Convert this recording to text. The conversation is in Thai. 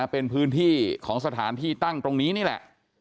เป็นพื้นที่ของสถานที่ตั้งตรงนี้นี่แหละ